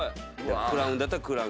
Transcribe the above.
クラウンだったらクラウン。